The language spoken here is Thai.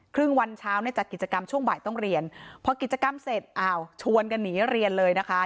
ครึ่งวันเช้าเนี่ยจัดกิจกรรมช่วงบ่ายต้องเรียนพอกิจกรรมเสร็จอ้าวชวนกันหนีเรียนเลยนะคะ